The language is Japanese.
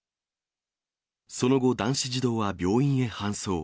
その後、男子児童は病院へ搬送。